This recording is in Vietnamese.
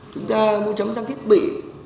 chúng ta mua sắm trang thiết bị